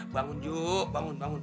bangun ju bangun bangun